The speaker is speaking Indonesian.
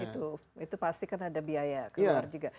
itu pasti kan ada biaya keluar juga